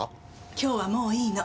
今日はもういいの。